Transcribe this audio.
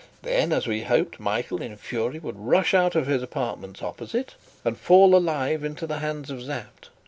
Then, as we hoped, Michael, in fury, would rush out of his apartments opposite, and fall alive into the hands of Sapt.